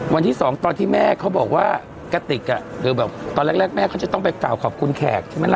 วันที่๒ตอนที่แม่เขาบอกว่ากติกตอนแรกแม่เขาจะต้องไปกล่าวขอบคุณแขกใช่ไหมล่ะ